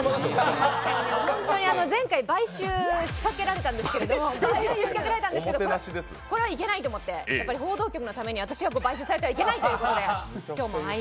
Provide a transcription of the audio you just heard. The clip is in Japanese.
本当に前回、買収しかけられたんですけど、これはいけないと思って、やっぱり報道局のために私がやらなきゃいけないと思って。